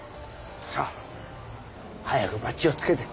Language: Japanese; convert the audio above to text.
さあ早くバッジをつけて。